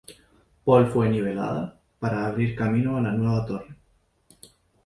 Paul fue nivelada para abrir camino a la nueva torre.